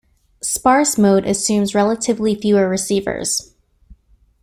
Sparse mode assumes relatively fewer receivers.